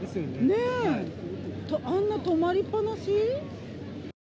あんな止まりっぱなし？